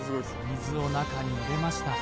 水を中に入れました